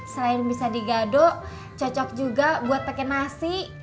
selain bisa digado cocok juga buat pakai nasi